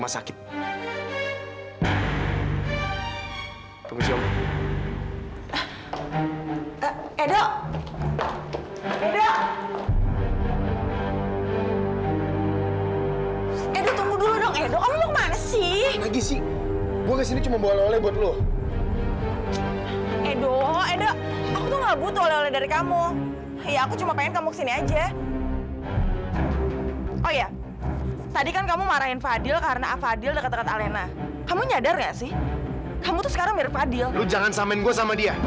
sampai jumpa di video selanjutnya